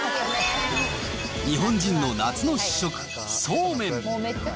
日本人の夏の主食、そうめん。